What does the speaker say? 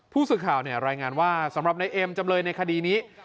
ผู้สื่อข่าวรายงานว่าสำหรับนายเอ็มจำเลยในคดีนี้